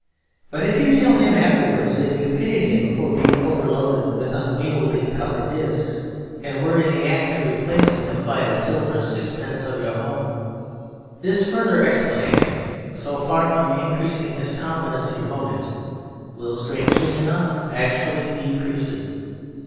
But if you tell him afterwards that you pitied him for being overloaded with unwieldy copper discs, and were in the act of replacing them by a silver sixpence of your own, this further explanation, so far from increasing his confidence in your motives, will (strangely enough) actually decrease it.